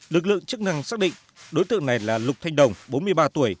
lực lượng chức năng xác định đối tượng này là lục thanh đồng bốn mươi ba tuổi